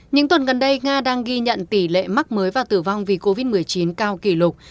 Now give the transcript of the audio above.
những tuần gần đây nga đang ghi nhận tỷ lệ mắc mới và tử vong vì covid một mươi chín cao kỷ lục